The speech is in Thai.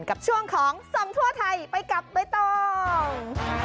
กับช่วงของส่องทั่วไทยไปกับใบตอง